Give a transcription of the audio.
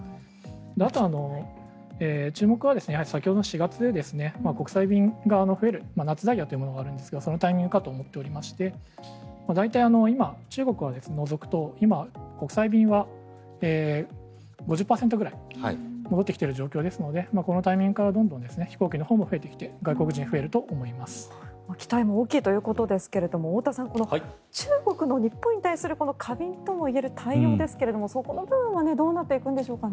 あとは注目は先ほどの４月で国際便が増える夏ダイヤというのがあるんですがそのタイミングかと思っていまして大体今、中国を除くと国際便は５０％ぐらい戻ってきている状況ですのでこのタイミングからどんどん飛行機も増えてきて期待も大きいということですが太田さん、中国の日本に対する過敏とも言える対応ですがそこの部分はどうなっていくんでしょうか。